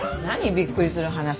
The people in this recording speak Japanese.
びっくりする話って。